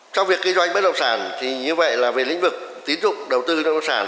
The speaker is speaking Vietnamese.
trong việc kỳ doanh bất động sản thì như vậy là về lĩnh vực tiến dụng đầu tư bất động sản